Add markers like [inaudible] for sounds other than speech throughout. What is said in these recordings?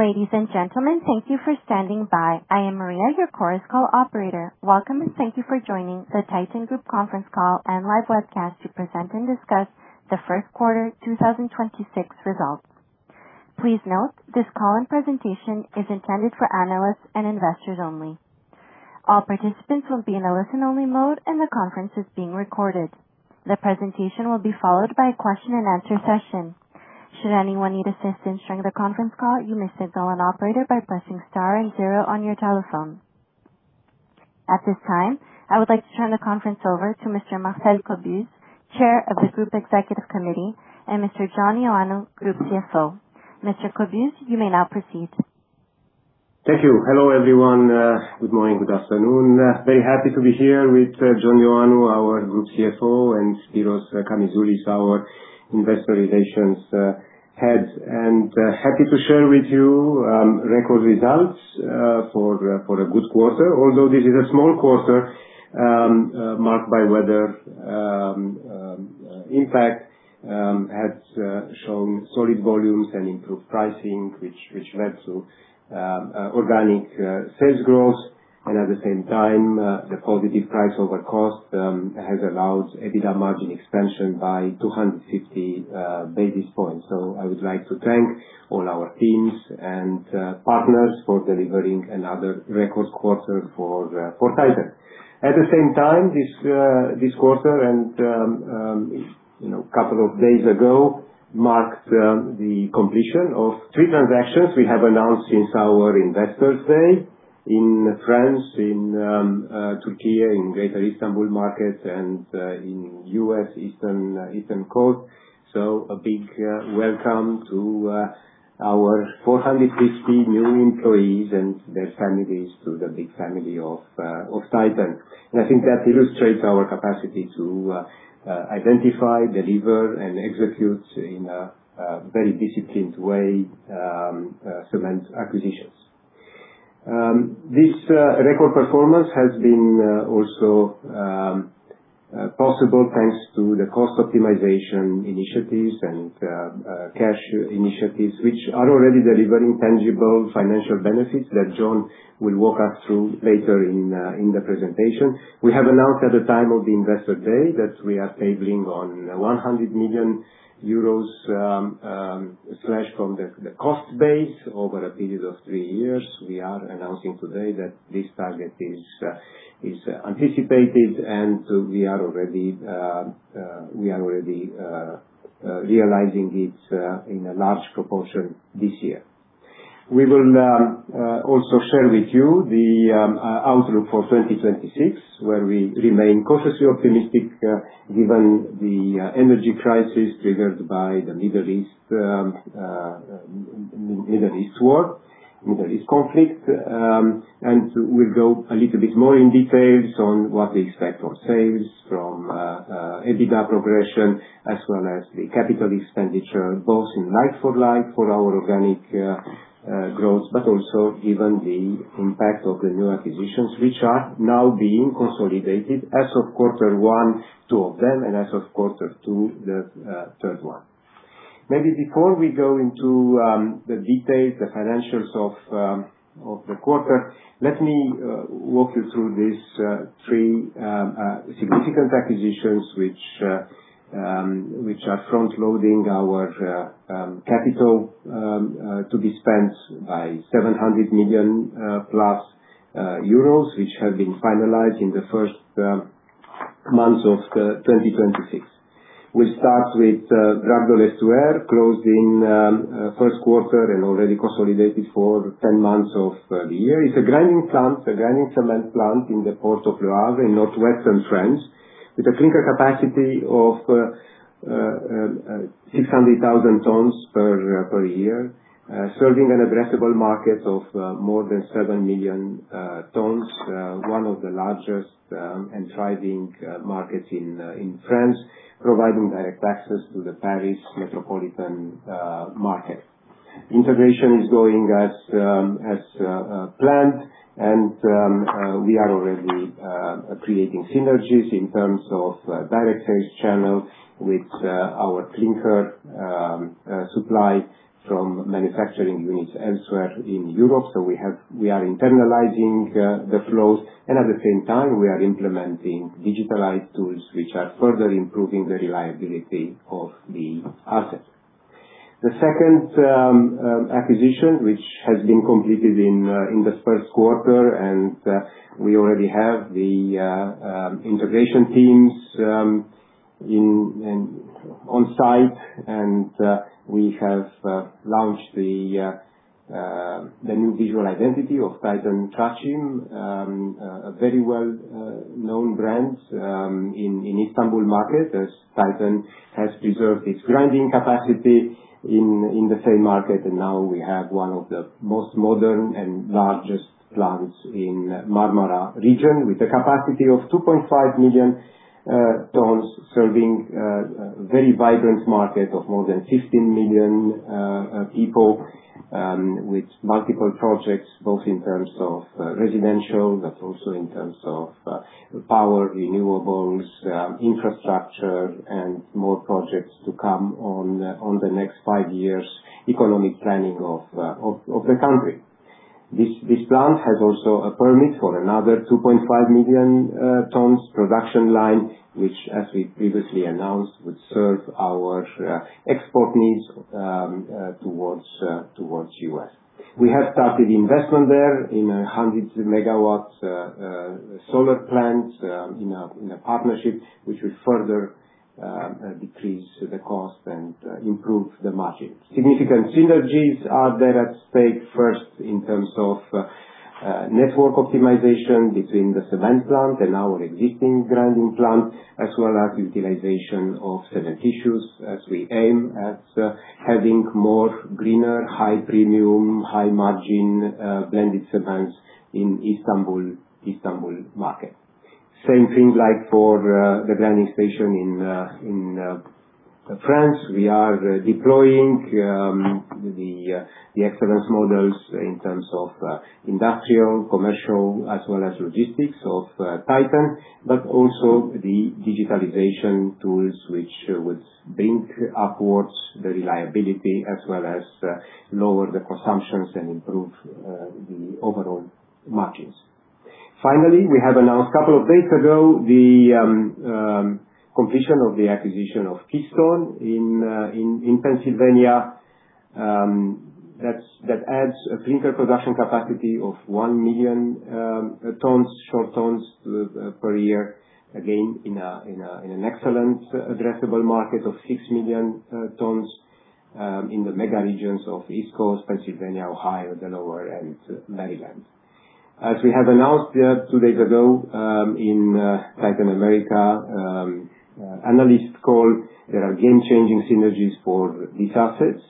Ladies and gentlemen, thank you for standing by. I am Maria, your Chorus Call operator. Welcome and thank you for joining the Titan Group conference call and live webcast to present and discuss the Q1 2026 results. Please note, this call and presentation is intended for analysts and investors only. All participants will be in a listen-only mode, and the conference is being recorded. The presentation will be followed by a question and answer session. At this time, I would like to turn the conference over to Mr. Marcel Cobuz, Chair of the Group Executive Committee, and Mr. John Ioannou, Group CFO. Mr. Cobuz, you may now proceed. Thank you. Hello, everyone. Good morning. Good afternoon. Very happy to be here with John Ioannou, our Group CFO, and Spyros Kamizoulis, our Head of Investor Relations, and happy to share with you record results for a good quarter. Although this is a small quarter, marked by weather impact, has shown solid volumes and improved pricing, which led to organic sales growth. At the same time, the positive price over cost has allowed a bigger margin expansion by 250 basis points. I would like to thank all our teams and partners for delivering another record quarter for Titan. At the same time, this quarter and, you know, couple of days ago marked the completion of three transactions we have announced since our Investors Day in France, in Turkey, in Greater Istanbul markets and in U.S. Eastern Coast. A big welcome to our 450 new employees and their families, to the big family of Titan. I think that illustrates our capacity to identify, deliver, and execute in a very disciplined way, cement acquisitions. This record performance has been also possible thanks to the cost optimization initiatives and cash initiatives, which are already delivering tangible financial benefits that John will walk us through later in the presentation. We have announced at the time of the Investor Day that we are saving on 100 million euros slash from the cost base over a period of three years. We are announcing today that this target is anticipated, and we are already realizing it in a large proportion this year. We will also share with you the outlook for 2026, where we remain cautiously optimistic given the energy crisis triggered by the Middle East war, Middle East conflict. We'll go a little bit more in details on what we expect on sales from EBITDA progression, as well as the capital expenditure, both in like-for-like for our organic growth, but also given the impact of the new acquisitions, which are now being consolidated as of Q1, two of them, and as of Q2, the third one. Maybe before we go into the details, the financials of the quarter, let me walk you through these three significant acquisitions, which are frontloading our capital to be spent by 700 million euros plus, which have been finalized in the first months of 2026. We start with [inaudible] closing, Q1 and already consolidated for 10 months of the year. It's a grinding plant, a grinding cement plant in the Port of Le Havre in Northwestern France, with a clinker capacity of 600,000 tons per year, serving an addressable market of more than 7 million tons. One of the largest and thriving markets in France, providing direct access to the Paris Metropolitan Market. Integration is going as planned, and we are already creating synergies in terms of direct sales channels with our clinker supply from manufacturing units elsewhere in Europe. We are internalizing the flows and at the same time we are implementing digitalized tools which are further improving the reliability of the assets. The second acquisition, which has been completed in this Q1, we already have the integration teams in on site. We have launched the new visual identity of Titan Traçim, a very well known brand in Istanbul market as Titan has preserved its grinding capacity in the same market. Now we have one of the most modern and largest plants in Marmara Region with a capacity of 2.5 million tons, serving a very vibrant market of more than 15 million people, with multiple projects, both in terms of residential, but also in terms of power, renewables, infrastructure, and more projects to come on the next five years economic planning of the country. This plant has also a permit for another 2.5 million tons production line, which as we previously announced, would serve our export needs towards U.S. We have started investment there in a 100 MW solar plant in a partnership which will further decrease the cost and improve the margin. Significant synergies are there at stake, first in terms of network optimization between the cement plant and our existing grinding plant, as well as utilization of cementitious, as we aim at having more greener, high premium, high margin blended cements in Istanbul market. Same thing like for the grinding station in France. We are deploying the excellence models in terms of industrial, commercial, as well as logistics of Titan, but also the digitalization tools which would bring upwards the reliability as well as lower the consumptions and improve the overall margins. Finally, we have announced couple of days ago the completion of the acquisition of Keystone in Pennsylvania. That adds a greener production capacity of 1 million short tons per year. Again, in an excellent addressable market of 6 million tons in the mega regions of East Coast, Pennsylvania, Ohio, Delaware, and Maryland. As we have announced two days ago in Titan America analyst call, there are game changing synergies for these assets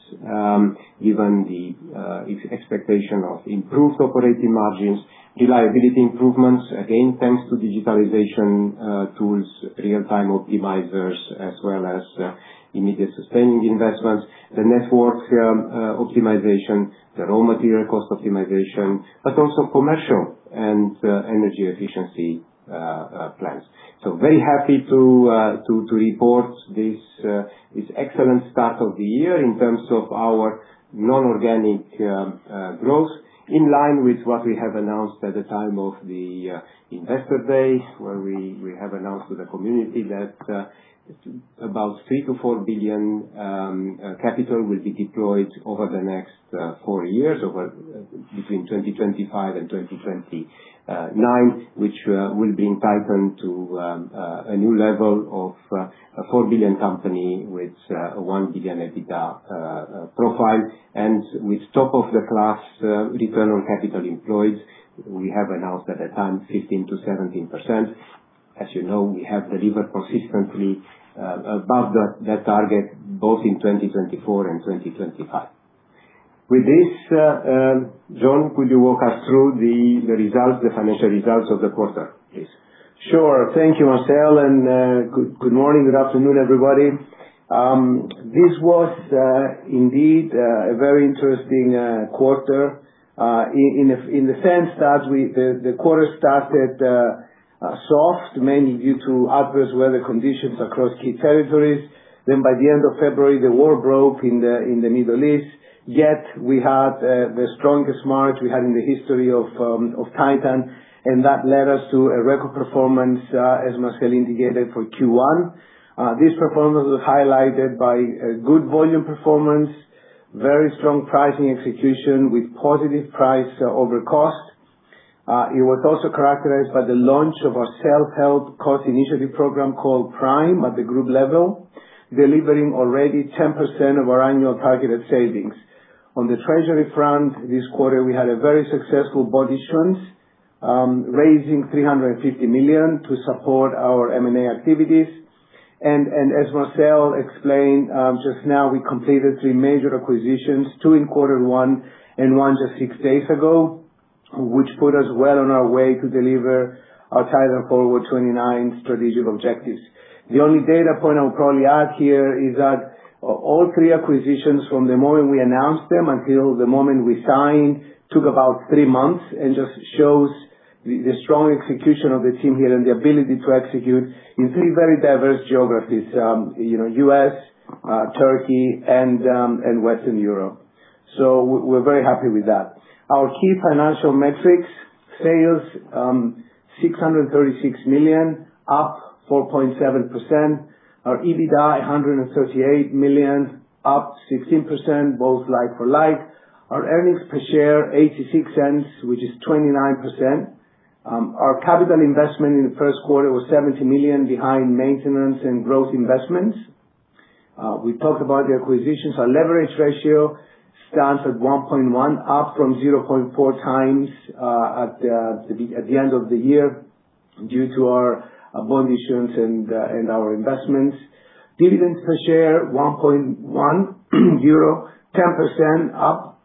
given the expectation of improved operating margins, reliability improvements, again, thanks to digitalization tools, real-time optimizers, as well as immediate sustaining investments, the network optimization, the raw material cost optimization, but also commercial and energy efficiency plans. Very happy to report this excellent start of the year in terms of our non-organic growth, in line with what we have announced at the time of the investor days, where we have announced to the community that about 3 billion- 4 billion capital will be deployed over the next four years between 2025 and 2029. Which will be entitled to a new level of a 4 billion company with a 1 billion EBITDA profile. With top of the class return on capital employed, we have announced at the time 15%-17%. As you know, we have delivered consistently above the target both in 2024 and 2025. With this, John, could you walk us through the results, the financial results of the quarter, please? Sure. Thank you, Marcel, and good morning, good afternoon, everybody. This was indeed a very interesting quarter in the sense that the quarter started soft, mainly due to adverse weather conditions across key territories. By the end of February, the war broke in the Middle East. We had the strongest March we had in the history of Titan, and that led us to a record performance as Marcel indicated, for Q1. This performance was highlighted by a good volume performance, very strong pricing execution with positive price over cost. It was also characterized by the launch of our self-help cost initiative program called PRIME at the group level, delivering already 10% of our annual targeted savings. On the treasury front, this quarter we had a very successful bond issuance, raising 350 million to support our M&A activities. As Marcel explained, just now, we completed three major acquisitions, two in Q1 and one just six days ago, which put us well on our way to deliver our Titan Forward 2029 strategic objectives. The only data point I would probably add here is that all three acquisitions from the moment we announced them until the moment we signed, took about three months, just shows the strong execution of the team here and the ability to execute in three very diverse geographies, you know, U.S., Turkey and Western Europe. We're very happy with that. Our key financial metrics, sales, 636 million, up 4.7%. Our EBITDA, 138 million, up 16%, both like for like. Our earnings per share, 0.86, which is 29%. Our capital investment in the Q1 was 70 million behind maintenance and growth investments. We talked about the acquisitions. Our leverage ratio stands at 1.1 up from 0.4 times at the end of the year due to our bond issuance and our investments. Dividends per share, 1.1 euro, 10% up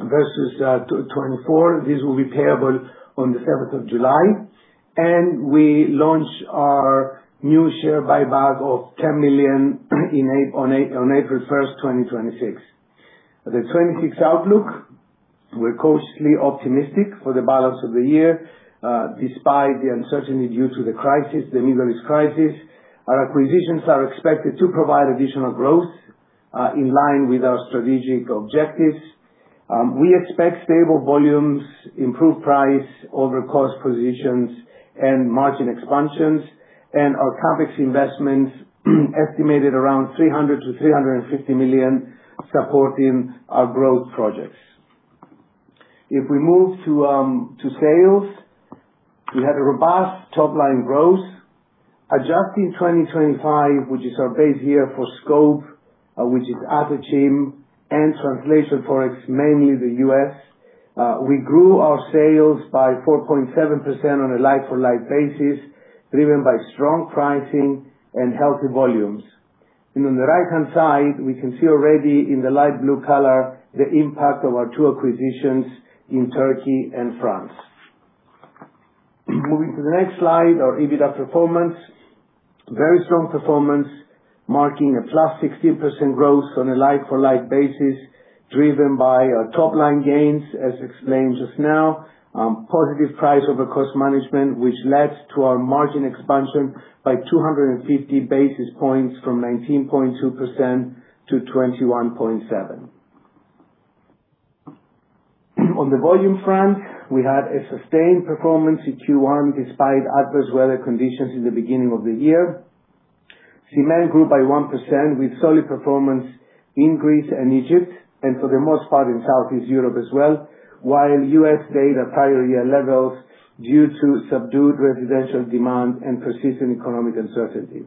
versus 2024. This will be payable on the seventh of July. We launched our new share buyback of 10 million on April 1st, 2026. The 2026 outlook, we're cautiously optimistic for the balance of the year, despite the uncertainty due to the crisis, the Middle East crisis. Our acquisitions are expected to provide additional growth in line with our strategic objectives. We expect stable volumes, improved price over cost positions, and margin expansions, and our CapEx investments estimated around 300 million-350 million supporting our growth projects. If we move to sales, we had a robust top-line growth. Adjusting 2025, which is our base year for scope, which is Adocim and translation for it's mainly the U.S. We grew our sales by 4.7% on a like-for-like basis, driven by strong pricing and healthy volumes. On the right-hand side, we can see already in the light blue color the impact of our two acquisitions in Turkey and France. Moving to the next slide, our EBITDA performance. Very strong performance, marking a +16% growth on a like for like basis, driven by our top line gains, as explained just now. Positive price over cost management, which led to our margin expansion by 250 basis points from 19.2% - 21.7%. On the volume front, we had a sustained performance in Q1 despite adverse weather conditions in the beginning of the year. Cement grew by 1% with solid performance in Greece and Egypt, and for the most part in Southeast Europe as well, while U.S. stayed at prior year levels due to subdued residential demand and persistent economic uncertainty.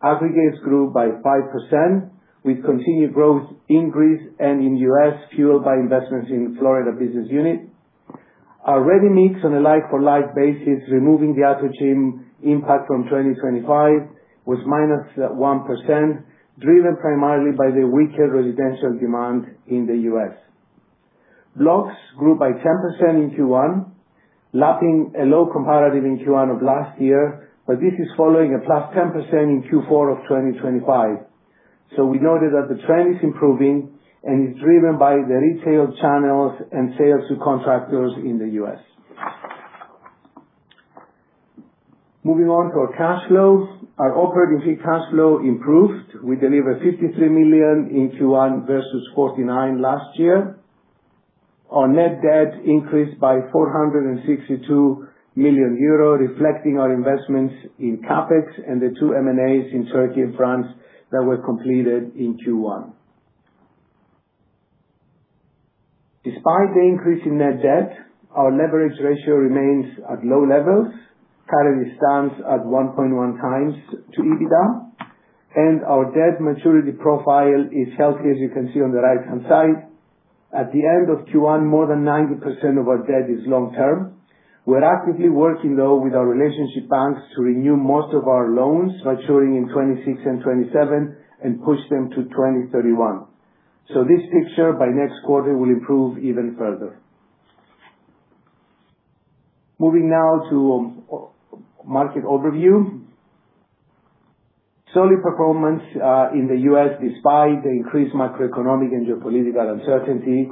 Aggregates grew by 5% with continued growth in Greece and in U.S., fueled by investments in Florida business unit. Our ready-mix on a like for like basis, removing the Adocim impact from 2025, was -1%, driven primarily by the weaker residential demand in the U.S. Blocks grew by 10% in Q1, lapping a low comparative in Q1 of last year, but this is following a +10% in Q4 of 2025. We noted that the trend is improving and is driven by the retail channels and sales to contractors in the U.S. Moving on to our cash flows. Our operating free cash flow improved. We delivered 53 million in Q1 versus 49 million last year. Our net debt increased by 462 million euro, reflecting our investments in CapEx and the two M&As in Turkey and France that were completed in Q1. Despite the increase in net debt, our leverage ratio remains at low levels. Currently stands at 1.1 times to EBITDA. Our debt maturity profile is healthy, as you can see on the right-hand side. At the end of Q1, more than 90% of our debt is long term. We're actively working, though, with our relationship banks to renew most of our loans maturing in 2026 and 2027 and push them to 2031. This picture by next quarter will improve even further. Moving now to market overview. Solid performance in the U.S. despite the increased macroeconomic and geopolitical uncertainty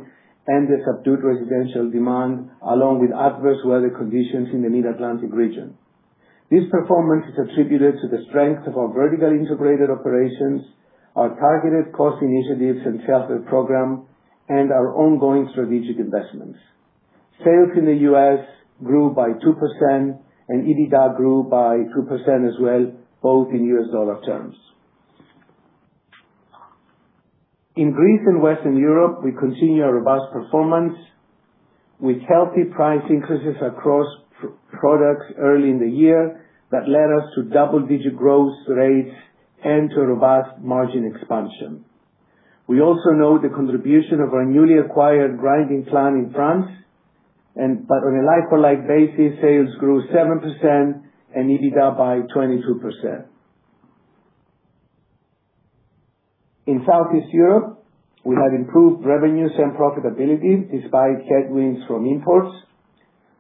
and the subdued residential demand, along with adverse weather conditions in the Mid-Atlantic region. This performance is attributed to the strength of our vertical integrated operations, our targeted cost initiatives and welfare program, and our ongoing strategic investments. Sales in the U.S. grew by 2%, and EBITDA grew by 2% as well, both in US dollar terms. In Greece and Western Europe, we continue our robust performance with healthy price increases across products early in the year that led to double-digit growth rates and to robust margin expansion. We also note the contribution of our newly acquired grinding plant in France, but on a like-for-like basis, sales grew 7% and EBITDA by 22%. In Southeast Europe, we had improved revenues and profitability despite headwinds from imports.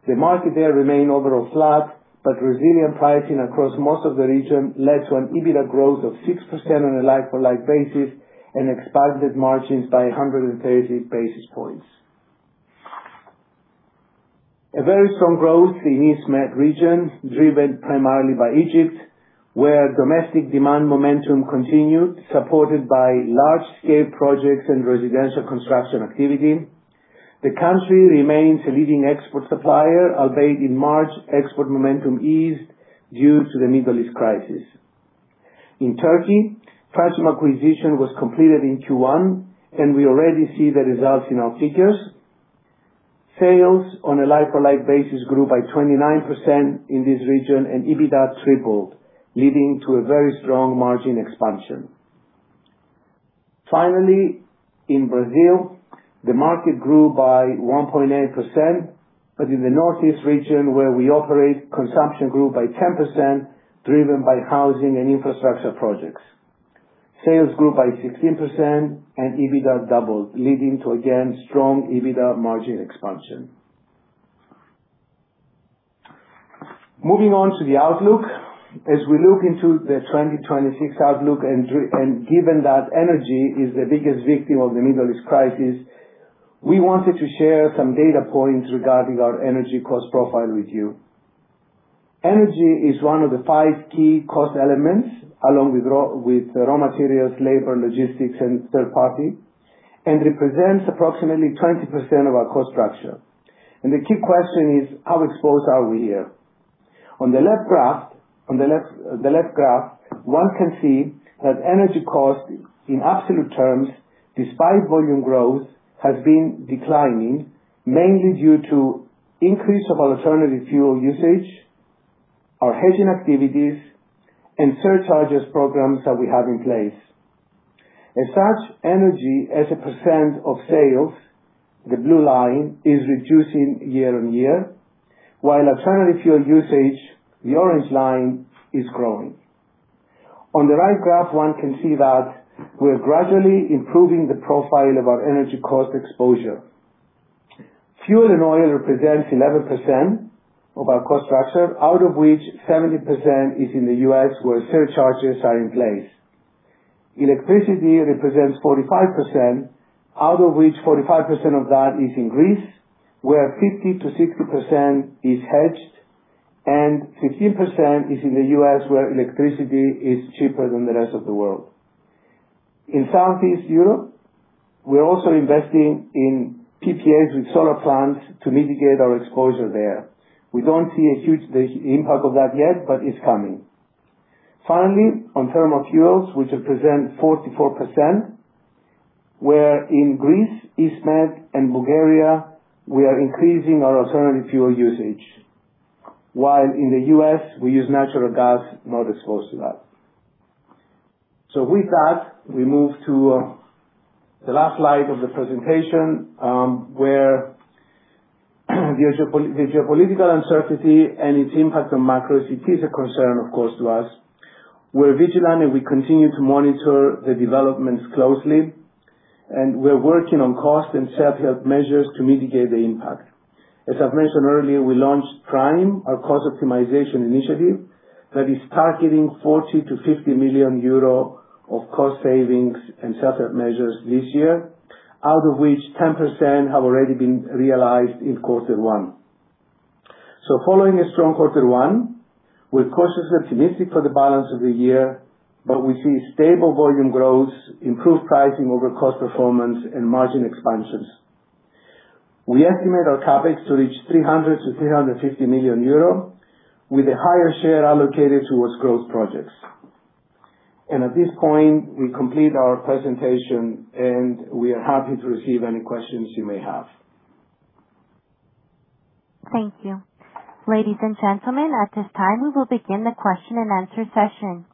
The market there remained overall flat, but resilient pricing across most of the region led to an EBITDA growth of 6% on a like-for-like basis and expanded margins by 130 basis points. A very strong growth in East Med region, driven primarily by Egypt, where domestic demand momentum continued, supported by large-scale projects and residential construction activity. The country remains a leading export supplier, albeit in March, export momentum eased due to the Middle East crisis. In Turkey, Traçim acquisition was completed in Q1, and we already see the results in our figures. Sales on a like-for-like basis grew by 29% in this region, and EBITDA tripled, leading to a very strong margin expansion. In Brazil, the market grew by 1.8%, but in the Northeast region where we operate, consumption grew by 10%, driven by housing and infrastructure projects. Sales grew by 16% and EBITDA doubled, leading to, again, strong EBITDA margin expansion. Moving on to the outlook. As we look into the 2026 outlook and given that energy is the biggest victim of the Middle East crisis, we wanted to share some data points regarding our energy cost profile with you. Energy is one of the five key cost elements, along with raw materials, labor, logistics, and third party, and represents approximately 20% of our cost structure. The key question is how exposed are we here? On the left graph, on the left, the left graph, one can see that energy costs in absolute terms, despite volume growth, has been declining, mainly due to increase of alternative fuel usage, our hedging activities and surcharges programs that we have in place. As such, energy as a % of sales, the blue line, is reducing year on year. While alternative fuel usage, the orange line, is growing. On the right graph, one can see that we're gradually improving the profile of our energy cost exposure. Fuel and oil represents 11% of our cost structure, out of which 70% is in the U.S. where surcharges are in place. Electricity represents 45%, out of which 45% of that is in Greece, where 50%-60% is hedged and 15% is in the U.S. where electricity is cheaper than the rest of the world. In Southeast Europe, we are also investing in PPAs with solar plants to mitigate our exposure there. We don't see a huge impact of that yet, but it's coming. On thermal fuels, which represent 44%, where in Greece, East Med and Bulgaria, we are increasing our alternative fuel usage. While in the U.S., we use natural gas, not exposed to that. With that, we move to the last slide of the presentation, where the geopolitical uncertainty and its impact on macros, it is a concern of course to us. We're vigilant, and we continue to monitor the developments closely, and we're working on cost and self-help measures to mitigate the impact. As I've mentioned earlier, we launched Prime, our cost optimization initiative that is targeting 40 million-50 million euro of cost savings and self-help measures this year, out of which 10% have already been realized in Q1. Following a strong Q1 with cautious optimistic for the balance of the year, but we see stable volume growth, improved pricing over cost performance and margin expansions. We estimate our CapEx to reach 300 million-350 million euro with a higher share allocated towards growth projects. At this point, we complete our presentation, and we are happy to receive any questions you may have. Thank you. Ladies and gentlemen, at this time, we will begin the question and answer session.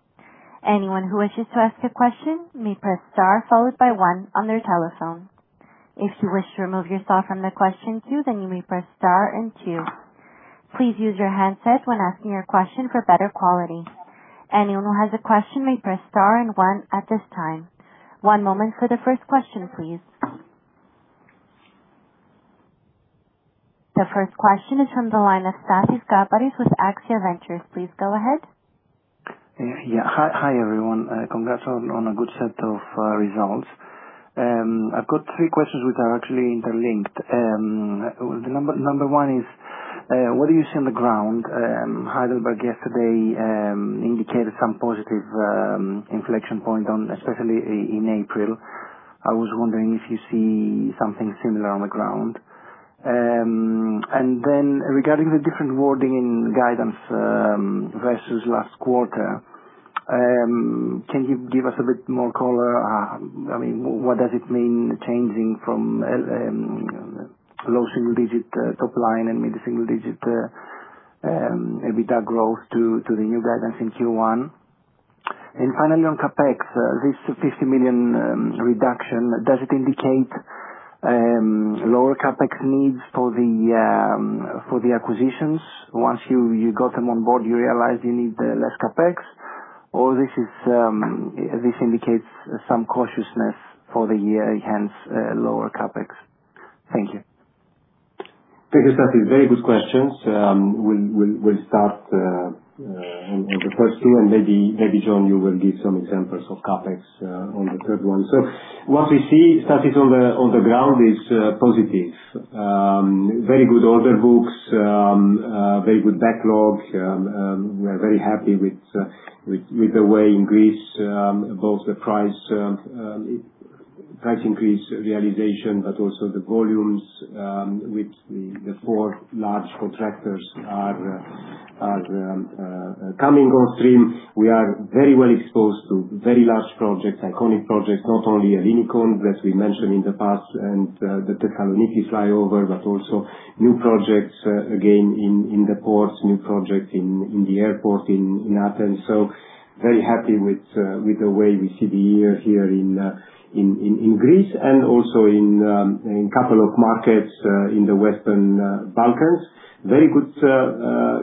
Please use your handset when asking your question for better quality. One moment for the first question, please. The first question is from the line of Stathis Kaparis with AXIA Ventures Group. Please go ahead. Yeah. Hi. Hi, everyone. Congrats on a good set of results. I've got three questions which are actually interlinked. The number one is, what do you see on the ground? Heidelberg yesterday indicated some positive inflection point on especially in April. I was wondering if you see something similar on the ground. Regarding the different wording in guidance versus last quarter, can you give us a bit more color? I mean, what does it mean changing from low single digit top line and mid-single digit EBITDA growth to the new guidance in Q1? Finally, on CapEx, this 50 million reduction, does it indicate lower CapEx needs for the acquisitions? Once you got them on board, you realize you need less CapEx, or this is, this indicates some cautiousness for the year, hence, lower CapEx. Thank you. Thank you. Stathis. Very good questions. We'll start on the first two and maybe John, you will give some examples of CapEx on the third one. What we see, Stathis, on the ground is positive. Very good order books, very good backlog. We are very happy with the way in Greece, both the price increase realization, but also the volumes with the four large contractors are coming on stream. We are very well exposed to very large projects, iconic projects, not only Ellinikon that we mentioned in the past and the Thessaloniki flyover, but also new projects again, in the ports, new projects in the airport in Athens. Very happy with the way we see the year here in Greece and also in a couple markets in the Western Balkans. Very good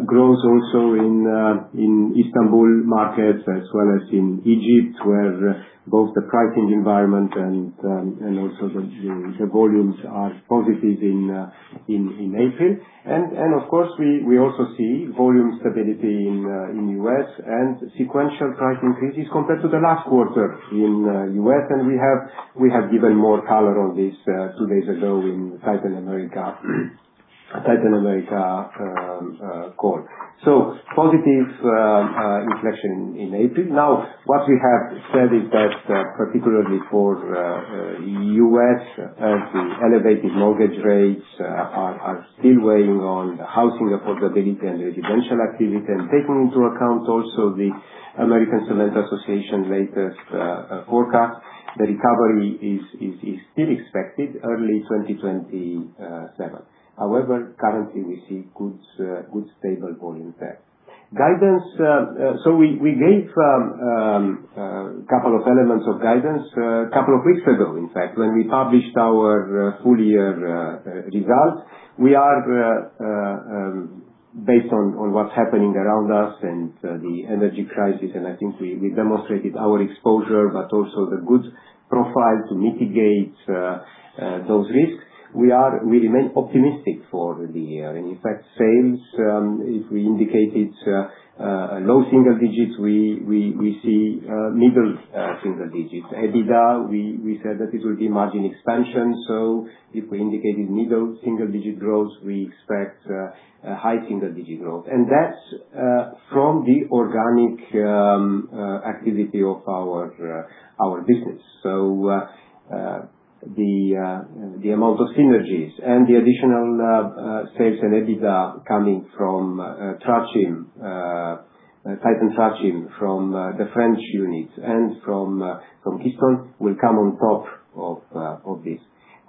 growth also in Istanbul markets as well as in Egypt, where both the pricing environment and also the volumes are positive in April. Of course, we also see volume stability in the U.S. and sequential price increases compared to the last quarter in the U.S. We have given more color on this two days ago in Titan America. A Titan America call. Positive inflation in April. What we have said is that particularly for the U.S. as the elevated mortgage rates are still weighing on the housing affordability and residential activity. Taking into account also the American Cement Association latest forecast, the recovery is still expected early 2027. However, currently we see good stable volume there. Guidance, we gave couple of elements of guidance a couple of weeks ago. In fact, when we published our full year results. We are based on what's happening around us and the energy crisis, I think we demonstrated our exposure, but also the good profile to mitigate those risks. We remain optimistic for the year. In fact, sales, if we indicated a low single digits, we see middle single digits. EBITDA, we said that this will be margin expansion, if we indicated middle single digit growth, we expect a high single digit growth. That's from the organic activity of our business. The amount of synergies and the additional sales and EBITDA coming from Traçim, Titan Traçim from the French unit and from Keystone will come on top of this.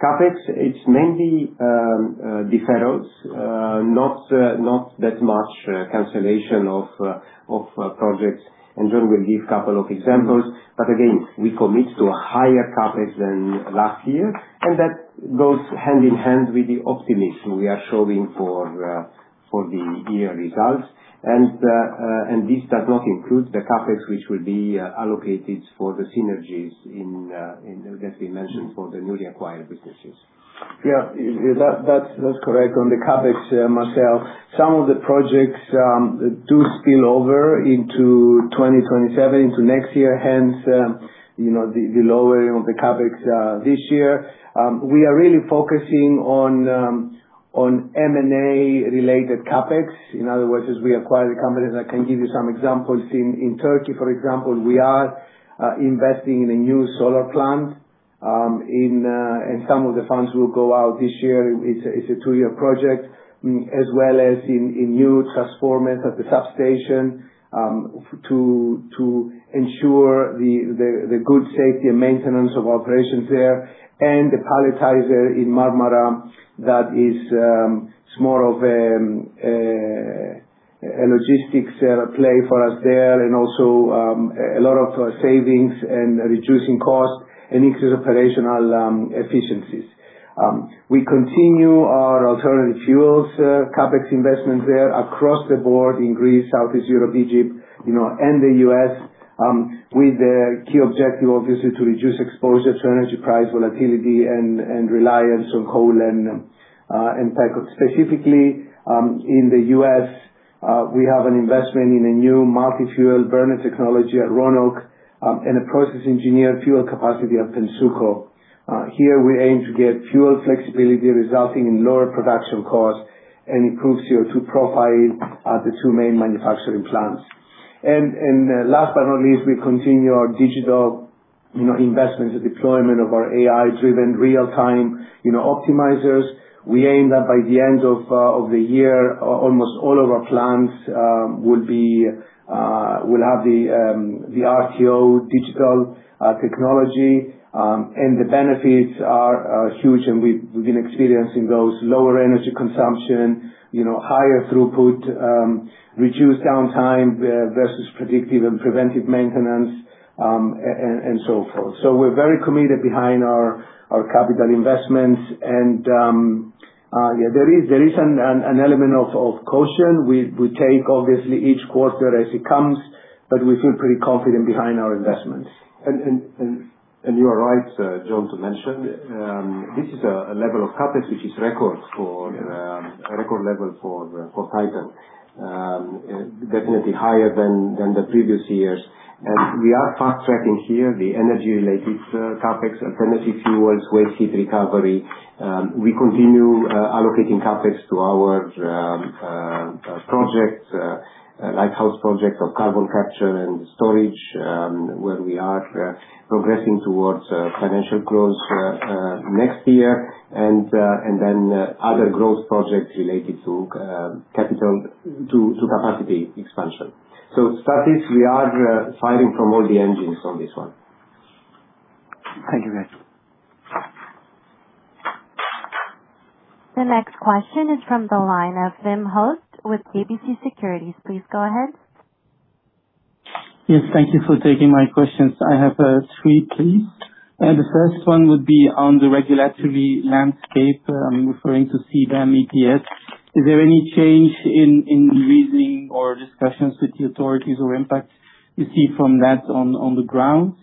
CapEx, it's mainly deferrals, not that much cancellation of projects. John will give couple of examples, but again, we commit to a higher CapEx than last year, and that goes hand in hand with the optimism we are showing for the year results. This does not include the CapEx which will be allocated for the synergies in that we mentioned for the newly acquired businesses. That's correct. On the CapEx, Marcel, some of the projects do spill over into 2027, into next year, hence, the lowering of the CapEx this year. We are really focusing on M&A related CapEx. In other words, as we acquire the companies, I can give you some examples. In Turkey, for example, we are investing in a new solar plant, and some of the funds will go out this year. It's a two year project. As well as in new transformers at the substation to ensure the good safety and maintenance of operations there. The palletizer in Marmara that is, it's more of a logistics play for us there. Also, a lot of savings and reducing costs and increased operational efficiencies. We continue our alternative fuels CapEx investments there across the board in Greece, Southeast Europe, Egypt, you know, and the U.S., with the key objective obviously to reduce exposure to energy price volatility and reliance on coal and petrol. Specifically, in the U.S., we have an investment in a new multi-fuel burner technology at Roanoke and a process engineered fuel capacity at Pennsuco. Here we aim to get fuel flexibility resulting in lower production costs and improves CO2 profile at the two main manufacturing plants. Last but not least, we continue our digital, you know, investments and deployment of our AI driven real-time, you know, optimizers. We aim that by the end of the year, almost all of our plants will be, will have the RTO digital technology. The benefits are huge and we've been experiencing those. Lower energy consumption, you know, higher throughput, reduced downtime versus predictive and preventive maintenance, and so forth. We're very committed behind our capital investments. Yeah, there is an element of caution. We take obviously each quarter as it comes, but we feel pretty confident behind our investments. You are right, John, to mention, this is a level of CapEx which is a record level for Titan. Definitely higher than the previous years. We are fast tracking here the energy related CapEx, alternative fuels, waste heat recovery. We continue allocating CapEx to our projects, lighthouse projects of carbon capture and storage, where we are progressing towards financial close next year. Then other growth projects related to capital to capacity expansion. That is we are firing from all the engines on this one. Thank you guys. The next question is from the line of Wim Hoste with KBC Securities. Please go ahead. Yes, thank you for taking my questions. I have three, please. The first one would be on the regulatory landscape. I'm referring to CBAM ETS. Is there any change in reading or discussions with the authorities or impacts you see from that on the ground?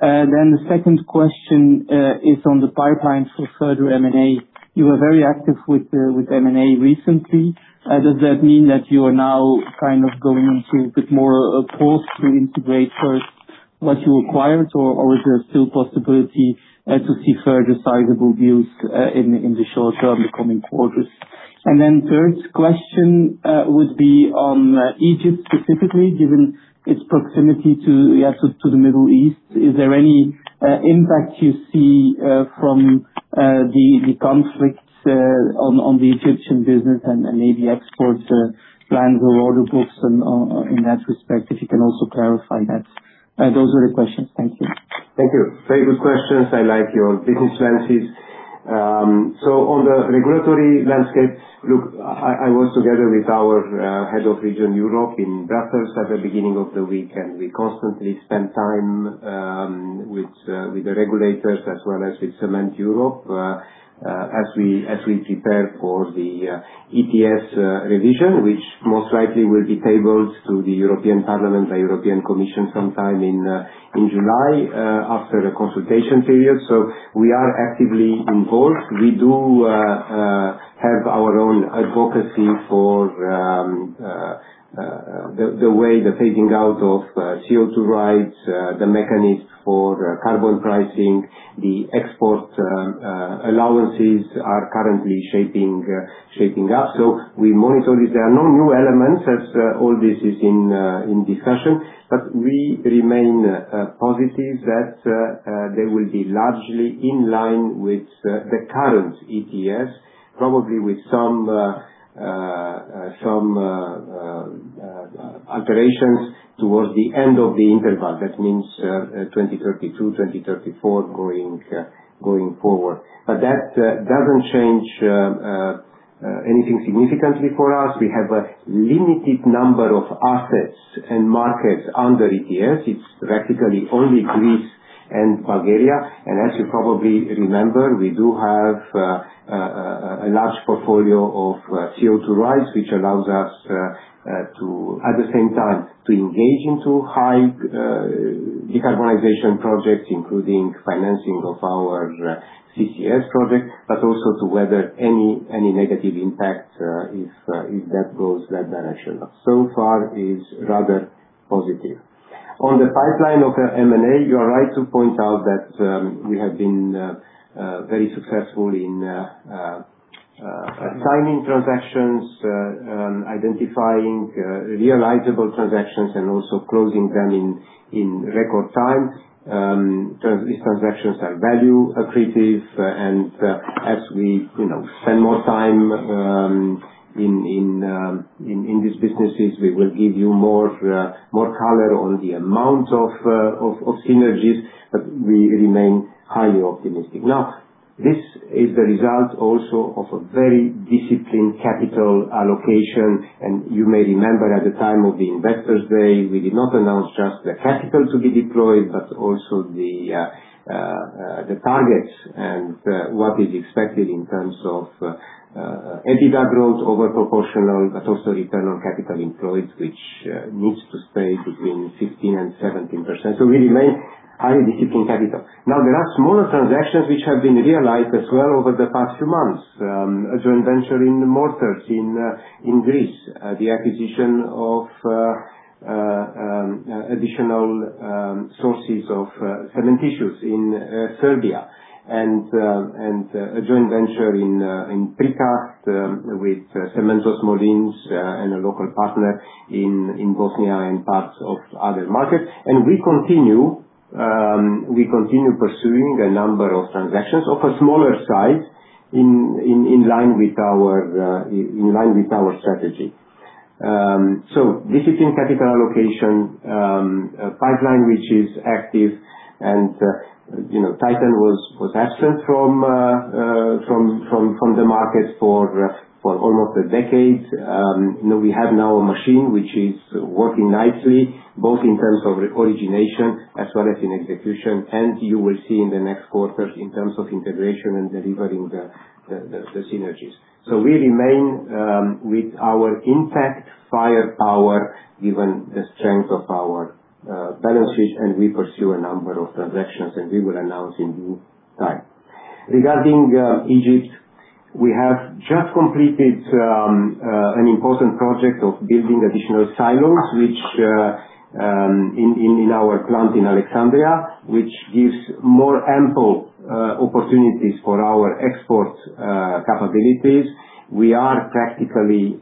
The second question is on the pipeline for further M&A. You were very active with M&A recently. Does that mean that you are now kind of going into a bit more pause to integrate first what you acquired or is there still possibility to see further sizable deals in the short term, the coming quarters? Third question would be on Egypt specifically, given its proximity to the access to the Middle East. Is there any impact you see from the conflicts on the Egyptian business and maybe export plans or order books and in that respect, if you can also clarify that? Those are the questions. Thank you. Thank you. Very good questions. I like your business lenses. On the regulatory landscape, look, I was together with our head of region Europe in Brussels at the beginning of the week, and we constantly spend time with the regulators as well as with Cembureau. As we prepare for the ETS revision, which most likely will be tabled to the European Parliament by European Commission sometime in July after the consultation period. We are actively involved. We do have our own advocacy for the way the phasing out of CO2 rights, the mechanics for carbon pricing, the export allowances are currently shaping up. We monitor it. There are no new elements as all this is in discussion, but we remain positive that they will be largely in line with the current ETS, probably with some alterations towards the end of the interval. That means 2032, 2034 going forward. That doesn't change anything significantly for us. We have a limited number of assets and markets under ETS. It's practically only Greece and Bulgaria. As you probably remember, we do have a large portfolio of CO2 rights, which allows us to, at the same time, to engage into high decarbonization projects, including financing of our CCS project, but also to weather any negative impact if that goes that direction. So far is rather positive. On the pipeline of M&A, you are right to point out that we have been very successful in timing transactions, identifying realizable transactions and also closing them in record time. These transactions are value accretive, and as we, you know, spend more time in these businesses, we will give you more color on the amount of synergies, but we remain highly optimistic. This is the result also of a very disciplined capital allocation. You may remember at the time of the investor's day, we did not announce just the capital to be deployed, but also the targets and what is expected in terms of EBITDA growth over proportional, but also return on capital employed, which needs to stay between 15% and 17%. We remain high disciplined capital. There are smaller transactions which have been realized as well over the past few months. A joint venture in mortars in Greece. The acquisition of additional sources of cement tissues in Serbia. A joint venture in Precast with Cementos Molins and a local partner in Bosnia and parts of other markets. We continue pursuing a number of transactions of a smaller size in line with our strategy. Discipline capital allocation, a pipeline which is active and, you know, Titan was absent from the market for almost a decade. You know, we have now a machine which is working nicely, both in terms of origination as well as in execution. You will see in the next quarters in terms of integration and delivering the synergies. We remain with our impact, firepower, given the strength of our balance sheet, and we pursue a number of transactions, and we will announce in due time. Regarding Egypt, we have just completed an important project of building additional silos, which in our plant in Alexandria, which gives more ample opportunities for our export capabilities. We are practically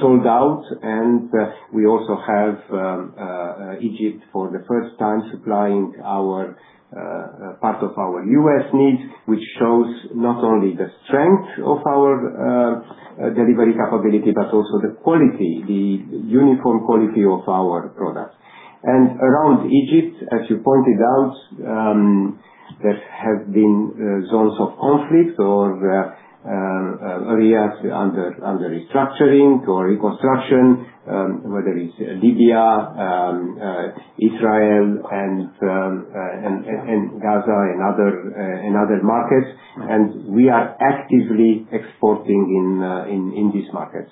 sold out, and we also have Egypt for the first time supplying our part of our U.S. needs, which shows not only the strength of our delivery capability, but also the quality, the uniform quality of our products. Around Egypt, as you pointed out, there have been zones of conflict or areas under restructuring or reconstruction, whether it's Libya, Israel and Gaza and other and other markets. We are actively exporting in these markets.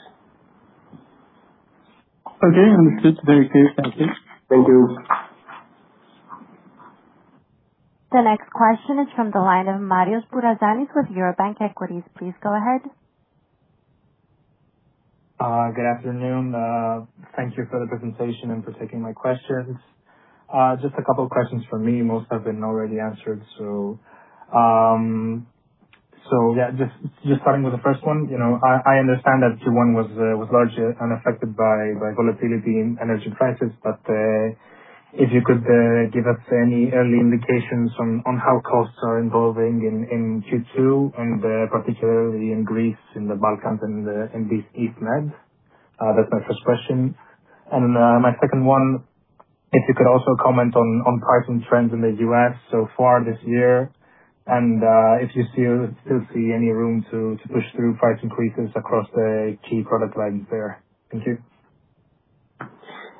Okay. Understood. Very clear. Thank you. Thank you. The next question is from the line of Marios Bourazanis with Eurobank Equities. Please go ahead. Good afternoon. Thank you for the presentation and for taking my questions. Just a couple questions from me. Most have been already answered. Just starting with the first one, you know, I understand that Q1 was largely unaffected by volatility in energy prices, if you could give us any early indications on how costs are evolving in Q2 and particularly in Greece, in the Balkans and in the East Med. That's my first question. My second one, if you could also comment on pricing trends in the U.S. so far this year, if you still see any room to push through price increases across the key product lines there. Thank you.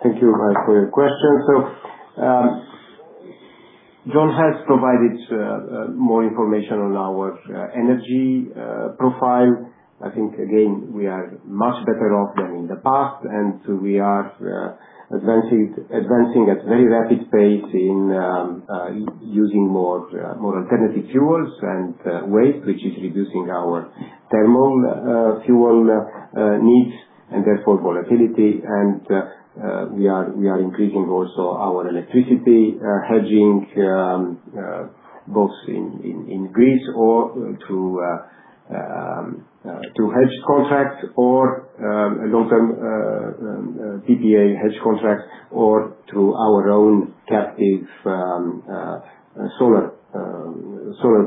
Thank you for your question. John has provided more information on our energy profile. I think again, we are much better off than in the past, we are advancing at very rapid pace in using more alternative fuels and waste, which is reducing our thermal fuel needs and therefore volatility. We are increasing also our electricity hedging both in Greece or through hedge contracts or long-term PPA hedge contracts or through our own captive solar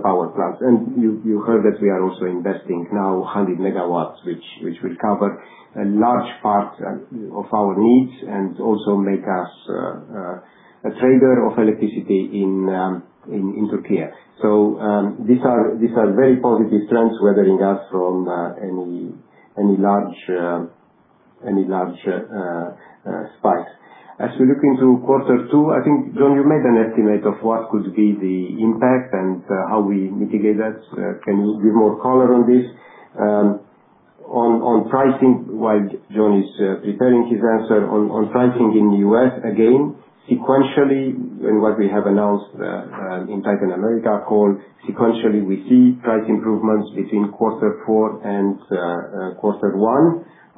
power plant. You heard that we are also investing now 100 MW, which will cover a large part of our needs and also make us a trader of electricity in Turkey. These are very positive trends weathering us from any large spike. As we look into Q2, I think, John, you made an estimate of what could be the impact and how we mitigate that. Can you give more color on this? On pricing, while John is preparing his answer on pricing in U.S., again, sequentially and what we have announced in Titan America call, sequentially we see price improvements between Q4 and Q1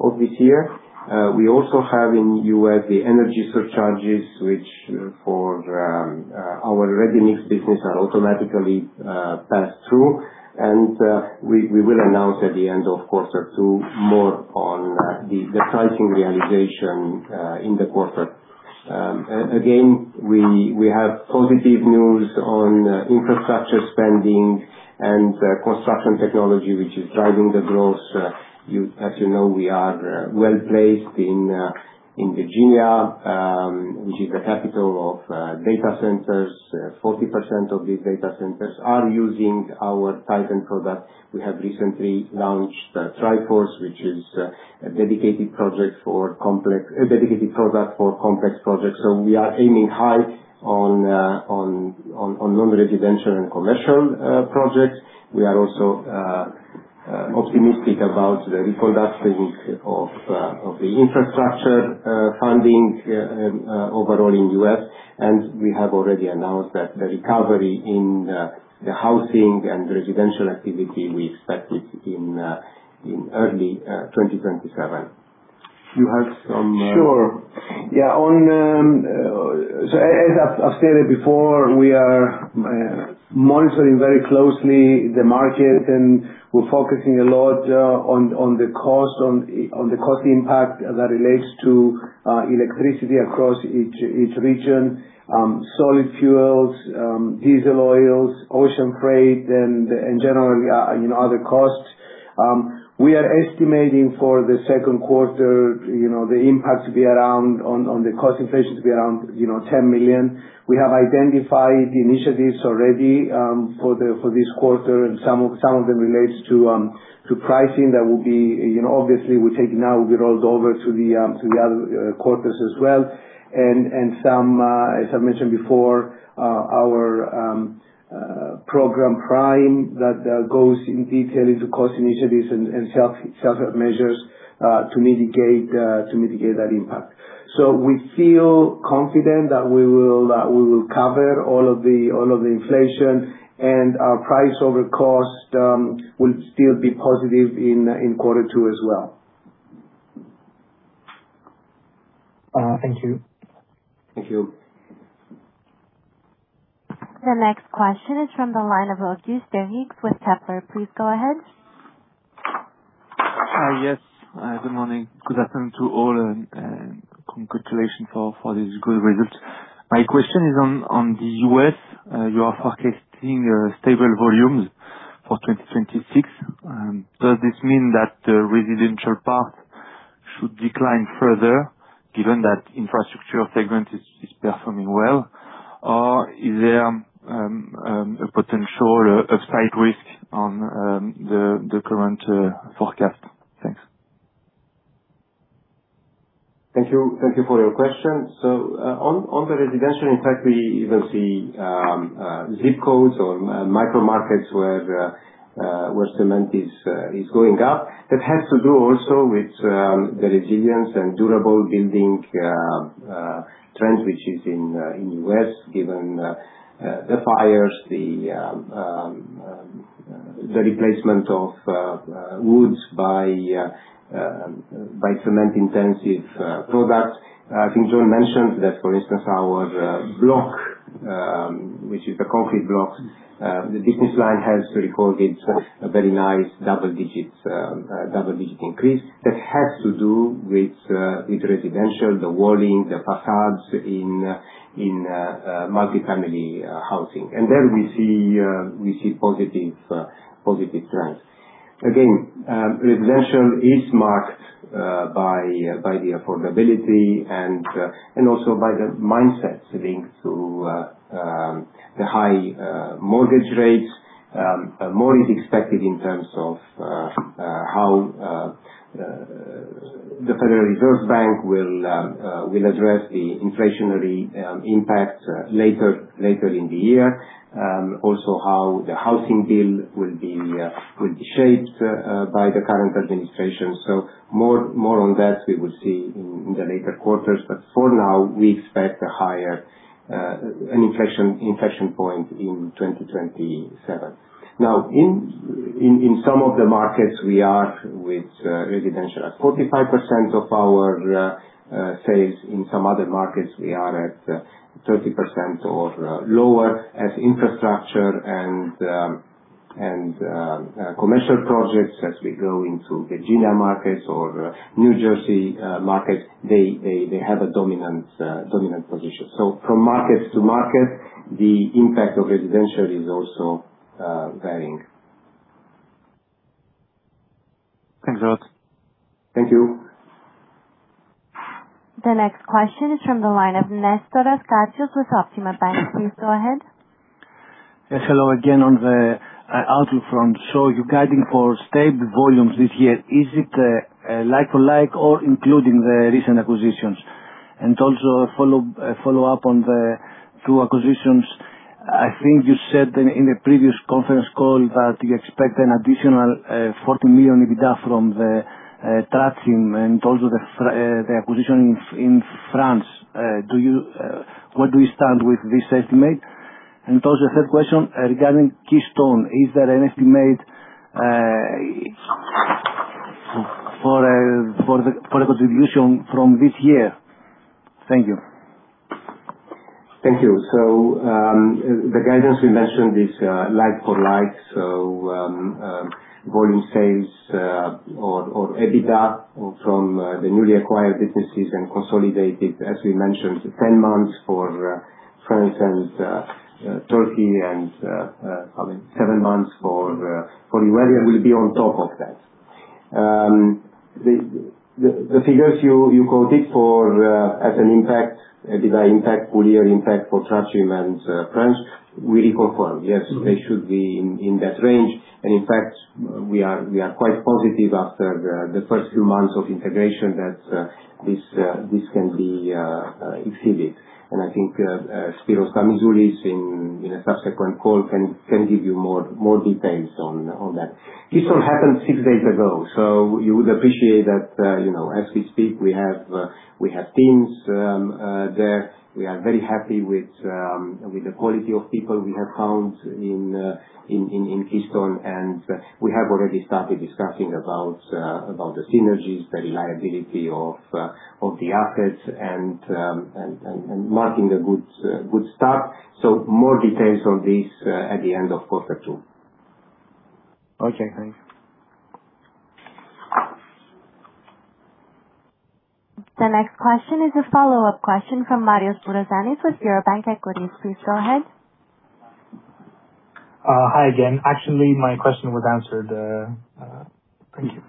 of this year. We also have in the U.S. the energy surcharges which for our ready-mix business are automatically passed through. We will announce at the end of Q2 more on the pricing realization in the quarter. Again, we have positive news on infrastructure spending and construction technology, which is driving the growth. As you know, we are well placed in Virginia, which is the capital of data centers. 40% of these data centers are using our Titan products. We have recently launched TriForce, which is a dedicated product for complex projects. We are aiming high on non-residential and commercial projects. We are also optimistic about the re-conductings of the infrastructure funding overall in U.S. We have already announced that the recovery in the housing and residential activity, we expect it in early 2027. Sure. Yeah. On, as I've stated before, we are monitoring very closely the market, and we're focusing a lot on the cost impact as that relates to electricity across each region, solid fuels, diesel oils, ocean freight, and generally, you know, other costs. We are estimating for the Q2, you know, the impact to be around on the cost inflation to be around, you know, 10 million. We have identified initiatives already for this quarter, and some of them relates to pricing that will be, you know, obviously we take now will be rolled over to the other quarters as well. Some, as I mentioned before, our program PRIME that goes in detail into cost initiatives and self-serve measures, to mitigate that impact. We feel confident that we will cover all of the inflation and our price over cost, will still be positive in Q2 as well. Thank you. Thank you. The next question is from the line of Auguste Deryckx with Kepler. Please go ahead. Yes. Good morning. Good afternoon to all and congratulations for this good results. My question is on the U.S. You are forecasting stable volumes for 2026. Does this mean that the residential part should decline further given that infrastructure segment is performing well? Or is there a potential upside risk on the current forecast? Thanks. Thank you. Thank you for your question. On the residential impact, we even see ZIP codes or micro markets where cement is going up. That has to do also with the resilience and durable building trends which is in U.S. given the fires, the replacement of woods by cement intensive products. I think John mentioned that, for instance, our block, which is the concrete blocks. The business line has recorded a very nice double-digit increase that has to do with residential, the walling, the facades in multi-family housing. There we see positive positive trends. Residential is marked by the affordability and also by the mindsets linked to the high mortgage rates. More is expected in terms of how the Federal Reserve Bank will address the inflationary impact later in the year. Also how the housing bill will be shaped by the current administration. More on that we will see in the later quarters. For now, we expect a higher inflation point in 2027. In some of the markets we are with, residential at 45% of our sales. In some other markets, we are at 30% or lower as infrastructure and commercial projects as we go into Virginia markets or New Jersey markets, they have a dominant position. From market to market, the impact of residential is also varying. Thanks a lot. Thank you. The next question is from the line of Nestoras Katsios with Optima Bank. Please go ahead. Yes, hello again. On the outlook front, you're guiding for stable volumes this year. Is it like for like or including the recent acquisitions? Also a follow-up on the two acquisitions. I think you said in the previous conference call that you expect an additional 40 million EBITDA from the Traçim, and also the acquisition in France. Do you where do you stand with this estimate? Also the third question regarding Keystone. Is there an estimate for the contribution from this year? Thank you. Thank you. The guidance we mentioned is like for like, volume sales or EBITDA from the newly acquired businesses and consolidated, as we mentioned, 10 months for France and Turkey, I mean, seven months for Arabia will be on top of that. The figures you quoted for as an impact, a divided impact, full year impact for Traçim and France, we confirm, yes, they should be in that range. In fact, we are quite positive after the first few months of integration that this can be exceeded. I think Spyros Kamizoulis in a subsequent call can give you more details on that. Keystone happened six days ago, you would appreciate that, you know, as we speak, we have teams there. We are very happy with the quality of people we have found in Keystone. We have already started discussing about the synergies, the reliability of the assets and marking a good start. More details on this at the end of Q2. Okay, thanks. The next question is a follow-up question from Marios Bourazanis with Eurobank Equities. Please go ahead. Hi again. Actually, my question was answered. Thank you.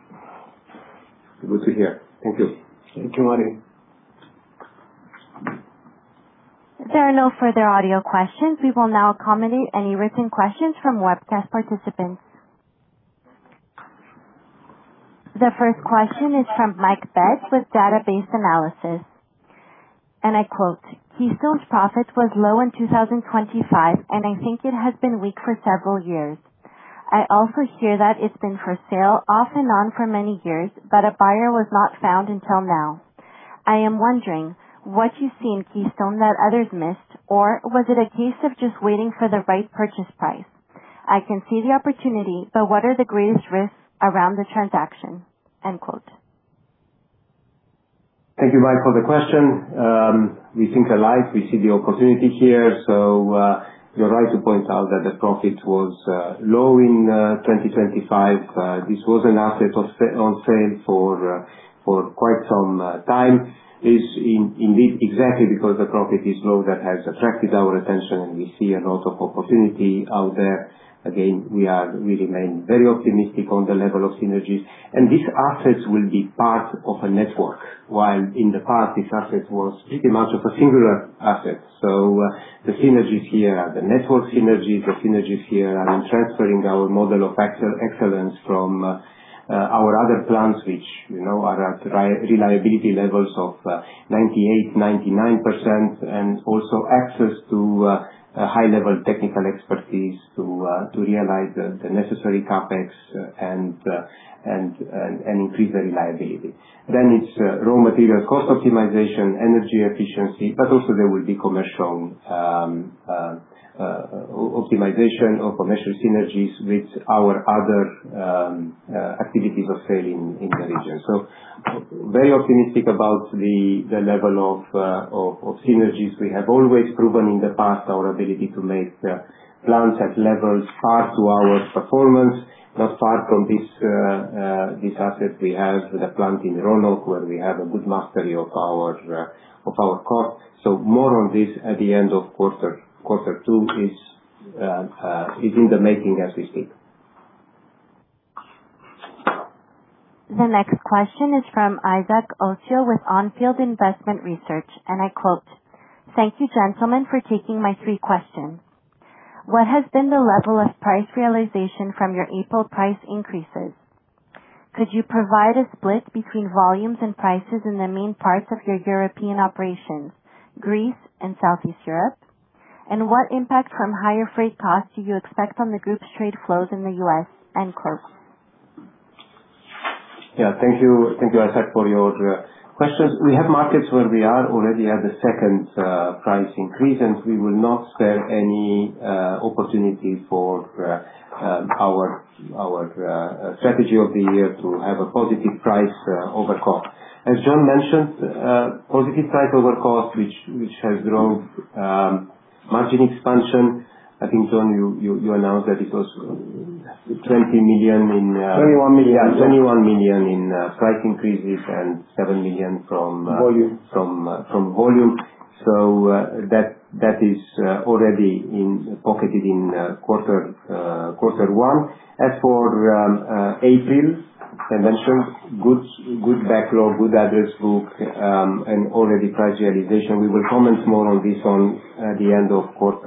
Good to hear. Thank you. Thank you, Marios. There are no further audio questions. We will now accommodate any written questions from webcast participants. The first question is from Mike Betts with Data Based Analysis, and I quote, "Keystone's profit was low in 2025, and I think it has been weak for several years. I also hear that it's been for sale off and on for many years, but a buyer was not found until now. I am wondering what you see in Keystone that others missed, or was it a case of just waiting for the right purchase price? I can see the opportunity, but what are the greatest risks around the transaction?" End quote. Thank you, Mike, for the question. We think alike. We see the opportunity here. You're right to point out that the profit was low in 2025. This was an asset on sale for quite some time. Indeed exactly because the profit is low that has attracted our attention, and we see a lot of opportunity out there. Again, we remain very optimistic on the level of synergies. This asset will be part of a network. While in the past, this asset was pretty much of a singular asset. The synergies here, the network synergies, the synergies here are in transferring our model of excellence from our other plants, which, you know, are at reliability levels of 98%-99%. Also access to a high-level technical expertise to realize the necessary CapEx and increase the reliability. It's raw materials, cost optimization, energy efficiency, but also there will be commercial optimization of commercial synergies with our other activities of sale in the region. Very optimistic about the level of synergies. We have always proven in the past our ability to make plans at levels par to our performance. Not far from this asset we have with a plant in Roanoke, where we have a good mastery of our core. More on this at the end of Q2 is in the making as we speak. The next question is from Isaac Ocio with OnField Investment Research, and I quote, "Thank you, gentlemen, for taking my three questions. What has been the level of price realization from your April price increases? Could you provide a split between volumes and prices in the main parts of your European operations, Greece and Southeast Europe? What impact from higher freight costs do you expect on the group's trade flows in the U.S.?" End quote. Yeah, thank you. Thank you, Isaac, for your questions. We have markets where we are already at the second price increase, and we will not spare any opportunity for our strategy of the year to have a positive price over-cost. As John mentioned, positive price over-cost, which has drove margin expansion. I think, John, you announced that it was 20 million. 21 million. Yeah, 21 million in price increases and 7 million from. Volume. From volume. That is already in, pocketed in, Q1. As for April, I mentioned good backlog, good address book, and already price realization. We will comment more on this on the end of Q2.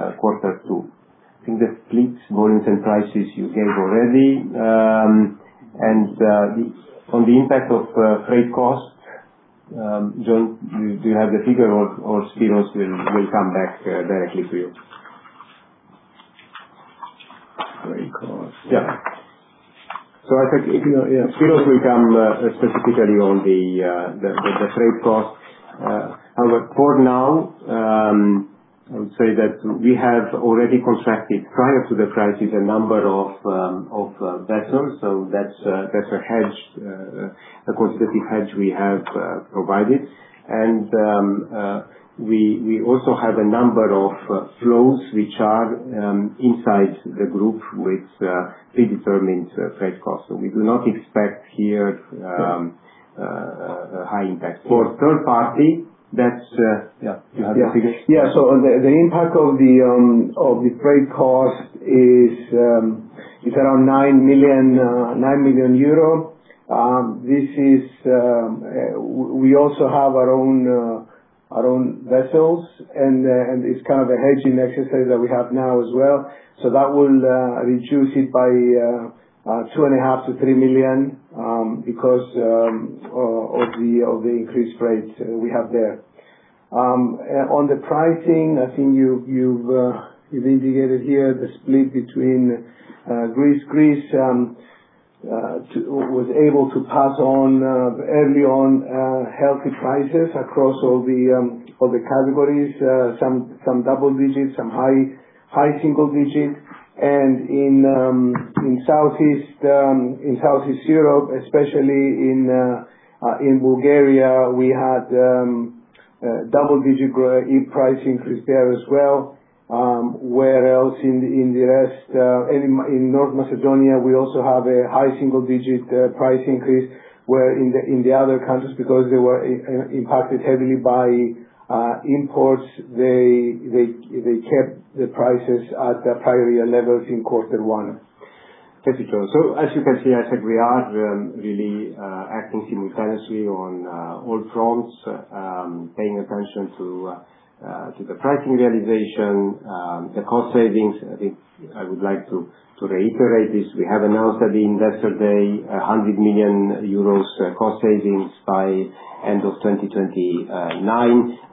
I think the fleet's volumes and prices you gave already. The On the impact of freight costs, John, do you have the figure or Spyros will come back directly to you? Freight cost. I think, you know, Spyros will come specifically on the freight cost. However for now, I would say that we have already contracted prior to the crisis, a number of vessels. That's a hedge, a conservative hedge we have provided. We also have a number of flows which are inside the group with predetermined freight cost. We do not expect here a high impact. For third party. Yeah. Do you have the figures? Yeah. The impact of the freight cost is around 9 million. This is, we also have our own vessels and it's kind of a hedging exercise that we have now as well. That will reduce it by two and a half to 3 million because of the increased rates we have there. On the pricing, I think you've indicated here the split between Greece was able to pass on early on healthy prices across all the categories. Some double digits, some high single digits. In Southeast Europe, especially in Bulgaria, we had a double-digit price increase there as well. Where else in the rest, in North Macedonia, we also have a high single digit price increase. Where in the other countries, because they were impacted heavily by imports, they kept the prices at their prior year levels in Q1. Thank you, John. As you can see, Isaac, we are really acting simultaneously on all fronts, paying attention to the pricing realization, the cost savings. I think I would like to reiterate this, we have announced at the Investor Day 100 million euros cost savings by end of 2029.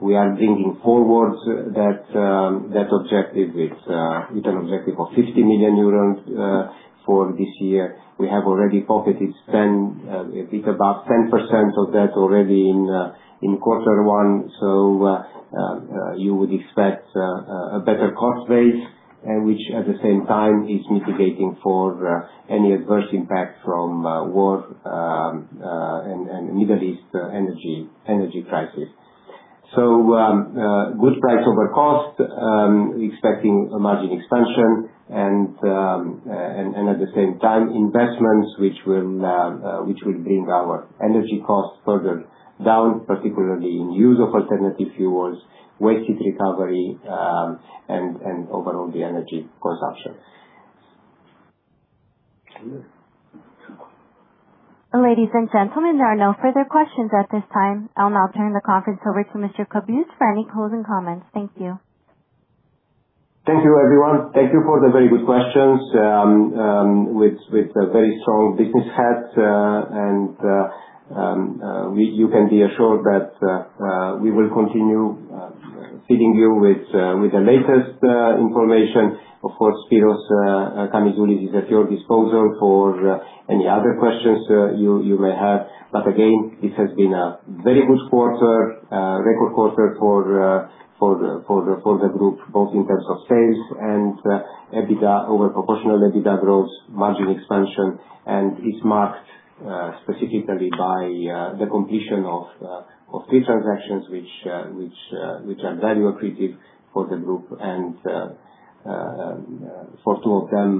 We are bringing forward that objective with an objective of 50 million euros for this year. We have already pocketed 10, a bit above 10% of that already in Q1. You would expect a better cost base, which at the same time is mitigating for any adverse impact from war and Middle East energy crisis. Good price over cost. Expecting a margin expansion and at the same time, investments which will bring our energy costs further down, particularly in use of alternative fuels, waste heat recovery, and overall the energy consumption. Ladies and gentlemen, there are no further questions at this time. I'll now turn the conference over to Mr. Cobuz for any closing comments. Thank you. Thank you, everyone. Thank you for the very good questions. With a very strong business hat, you can be assured that we will continue feeding you with the latest information. Of course, Spyros Kamizoulis is at your disposal for any other questions you may have. Again, this has been a very good quarter, record quarter for the group, both in terms of sales and EBITDA, over proportional EBITDA growth, margin expansion. It's marked specifically by the completion of three transactions which are value accretive for the group and for two of them,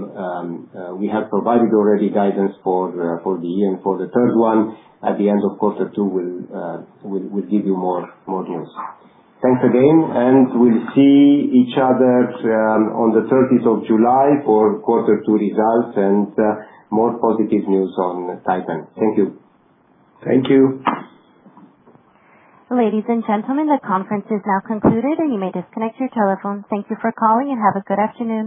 we have provided already guidance for the year. For the third one, at the end of Q2, we'll give you more news. Thanks again. We'll see each other on the 30th July, 2026 for Q2 results and more positive news on the pipeline. Thank you. Thank you. Ladies and gentlemen, the conference is now concluded, and you may disconnect your telephone. Thank you for calling and have a good afternoon.